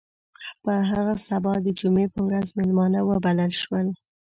په هغه سبا د جمعې په ورځ میلمانه وبلل شول.